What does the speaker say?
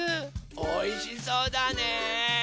おいしそうだね。